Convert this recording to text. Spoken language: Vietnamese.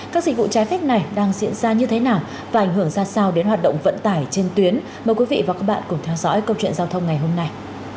các dịch vụ trái phép này đang diễn ra như thế nào và ảnh hưởng ra sao đến hoạt động vận tải trên tuyến mời quý vị và các bạn cùng theo dõi câu chuyện giao thông ngày hôm nay